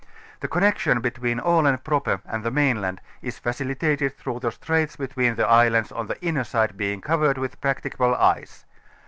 The connection between Aland proper and the mainland is facilitated through the straits between the islands on the inner side being covered with practicable ice.